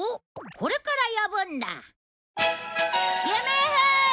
これから呼ぶんだ！